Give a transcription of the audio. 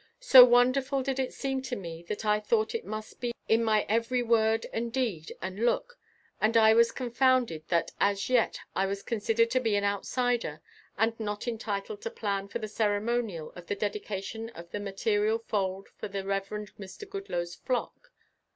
So wonderful did it seem to me that I thought it must be in my every word and deed and look and I was confounded that as yet I was considered to be an outsider and not entitled to plan for the ceremonial of the dedication of the material fold for the Reverend Mr. Goodloe's flock.